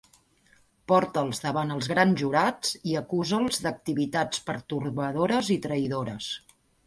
Porta'ls davant els grans jurats i acusa'ls d'activitats pertorbadores i traïdores.